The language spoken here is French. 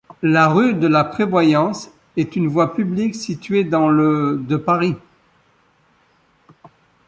La rue de la Prévoyance est une voie publique située dans le de Paris.